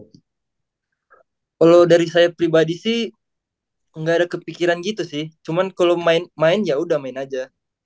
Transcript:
kalau dari saya pribadi sih enggak ada kepikiran gitu sih cuman kalau main main ya udah main aja